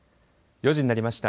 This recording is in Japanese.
４時になりました。